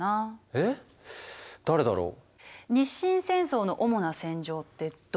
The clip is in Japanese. えっ誰だろう。